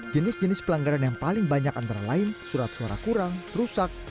jenis jenis pelanggaran yang paling banyak antara lain surat suara kurang rusak